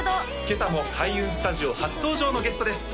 今朝も開運スタジオ初登場のゲストです